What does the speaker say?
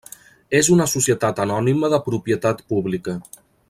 És una societat anònima de propietat pública.